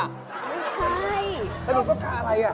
ถ้าหนูต้องการอะไร